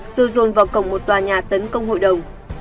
rồi dồn vào cổng một tòa nhà tấn công hội đồng